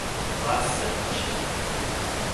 Vazante